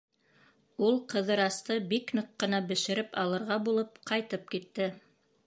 Ул, Ҡыҙырасты бик ныҡ ҡына бешереп алырға булып, ҡайтып китте.